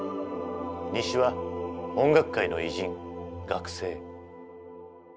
西は音楽界の偉人「楽聖」。